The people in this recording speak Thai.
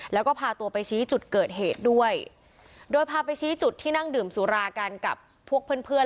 แล้วก็พาตัวไปชี้จุดเกิดเหตุด้วยโดยพาไปชี้จุดที่นั่งดื่มสุรากันกับพวกเพื่อนเพื่อน